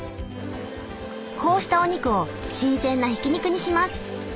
こうしたお肉を新鮮なひき肉にします。